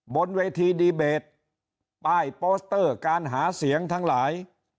บนเวทีดีเบตป้ายโปสเตอร์การหาเสียงทั้งหลาย